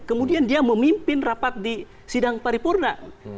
kemudian dia memimpin rapat di sidang paripurna